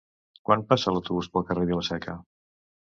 Quan passa l'autobús pel carrer Vila-seca?